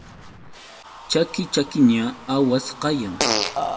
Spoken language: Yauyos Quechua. Chaki chakiña awas kayan.